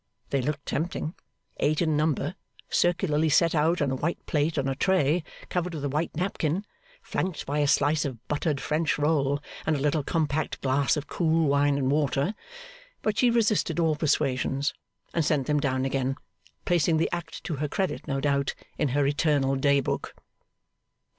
They looked tempting; eight in number, circularly set out on a white plate on a tray covered with a white napkin, flanked by a slice of buttered French roll, and a little compact glass of cool wine and water; but she resisted all persuasions, and sent them down again placing the act to her credit, no doubt, in her Eternal Day Book.